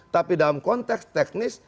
tapi dalam konteks teknis